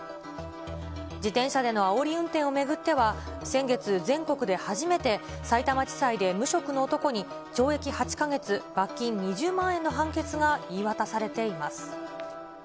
自転車でのあおり運転を巡っては、先月、全国で初めて、さいたま地裁で無職の男に懲役８か月、罰金２０万円の判決が言い渡されています。